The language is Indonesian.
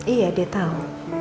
iya dia tau